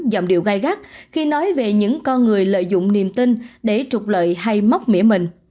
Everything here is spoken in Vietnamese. giọng điệu gai gắt khi nói về những con người lợi dụng niềm tin để trục lợi hay móc mỉa mình